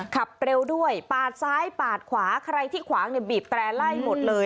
ขับเร็วด้วยปาดซ้ายปาดขวาใครที่ขวางเนี่ยบีบแตร่ไล่หมดเลย